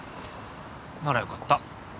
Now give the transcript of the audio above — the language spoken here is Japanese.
ならよかった。